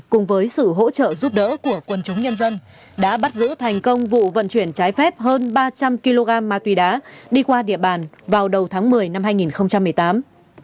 cùng với sự hỗ trợ giúp đỡ của quần chúng nhân dân đã bắt giữ thành công vụ vận chuyển trái phép hơn ba trăm linh kg ma túy đá đi qua địa bàn vào đầu tháng một mươi năm hai nghìn một mươi tám